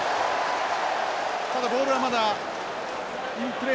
ただボールはまだインプレーの状態です。